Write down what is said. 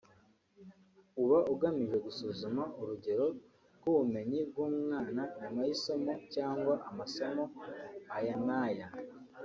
uba ugamije gusuzuma urugero rw’ubumenyi bw’umwana nyuma y’isomo cyangwa amasomo aya n’aya